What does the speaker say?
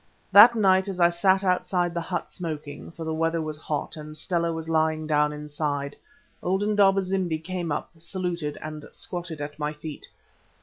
That night as I sat outside the hut smoking—for the weather was hot, and Stella was lying down inside—old Indaba zimbi came up, saluted, and squatted at my feet.